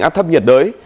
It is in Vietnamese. áp thấp nhiệt đới